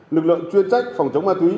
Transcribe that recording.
lực lượng chuyên trách phòng chống ma túy